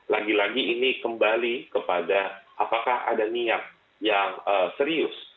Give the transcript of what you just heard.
lagi lagi ini kembali kepada apakah ada niat yang serius